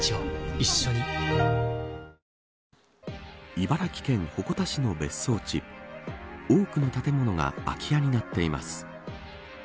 茨城県鉾田市の別荘地多くの建物が空き家になっています。